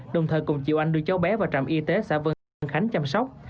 đồng thời cùng chị oanh đưa cháu bé vào trạm y tế xã vân khánh chăm sóc